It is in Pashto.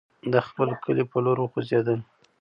د خپل کلي پر لور وخوځېدل.